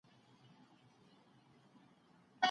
بېځایه لګښتونه هیڅکله ښه پایله نه لري.